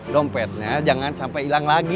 dompetnya jangan sampai hilang lagi